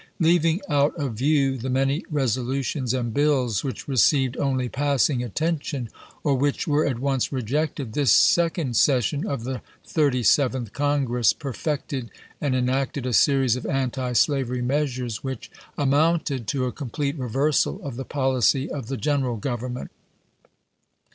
Leaving out of view the many resolutions and bills which received only passing attention, or which were at once rejected, this second session ^ of the Thirty seventh Congress perfected and en acted a series of antislavery measures which amounted to a complete reversal of the policy of the General Grovernment.